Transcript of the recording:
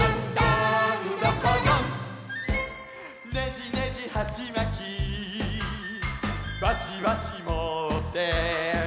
「ねじねじはちまきばちばちもって」